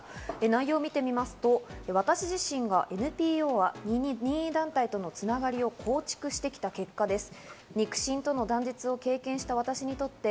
内容を見てみますと、私自身がＮＰＯや任意団体との繋がりを構築してきた結果です。